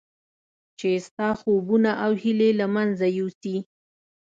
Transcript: چې ستا خوبونه او هیلې له منځه یوسي.